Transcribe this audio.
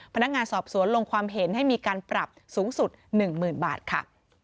พนักงานสอบสวนลงความเห็นให้มีการปรับสูงสุด๑๐๐๐บาทค่ะ